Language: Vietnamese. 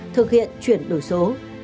thực hiện chuyển đổi số